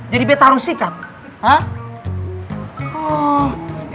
jadi betta harus sikat hah